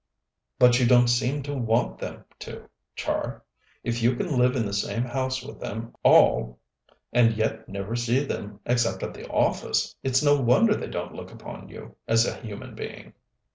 "But you don't seem to want them to, Char. If you can live in the same house with them all and yet never see them except at the office, it's no wonder they don't look upon you as a human being."